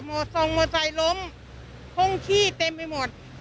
โมทรงโมทรายล้มห้องขี้เต็มไปหมด